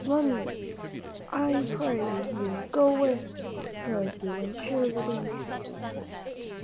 Let me, I pray you, go with you and share your dangers."